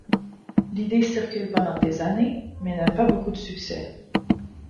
L'idée circule pendant des années, mais n'a pas beaucoup de succès.